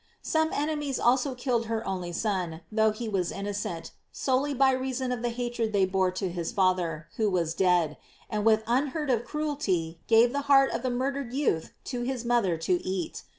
Some enemies also killed her only son, though he was innocent, solely by reason of the hatred they bore to his father, who was dead; and with unheard of cruelty gave the heart of the murdered youth to his mother to eat.